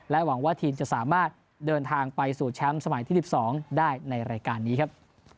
หวังว่าทีมจะสามารถเดินทางไปสู่แชมป์สมัยที่๑๒ได้ในรายการนี้ครับ